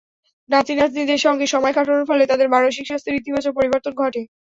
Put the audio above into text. নাতি-নাতনিদের সঙ্গে সময় কাটানোর ফলে তাঁদের মানসিক স্বাস্থ্যের ইতিবাচক পরিবর্তনও ঘটে।